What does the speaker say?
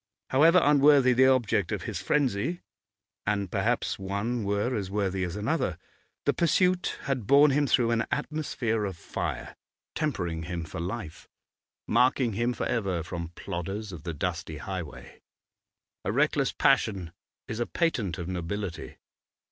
However unworthy the object of his frenzy and perhaps one were as worthy as another the pursuit had borne him through an atmosphere of fire, tempering him for life, marking him for ever from plodders of the dusty highway. A reckless passion is a patent of nobility.